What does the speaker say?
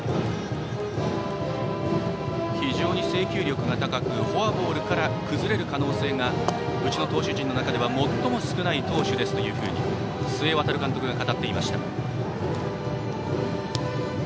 非常に制球力が高くフォアボールから崩れる可能性がうちの投手陣の中では最も少ない投手ですと須江航監督が語っていました。